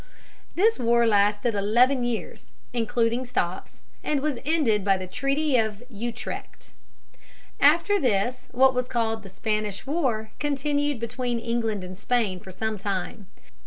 This war lasted eleven years, including stops, and was ended by the treaty of Utrecht (pronounced you trecked). After this, what was called the Spanish War continued between England and Spain for some time.